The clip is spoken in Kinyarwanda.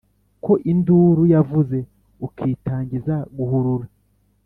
Ko induru yavuze ukitangiza guhurura